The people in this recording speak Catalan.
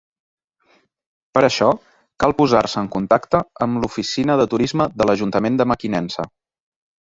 Per a això, cal posar-se en contacte amb l'Oficina de Turisme de l'Ajuntament de Mequinensa.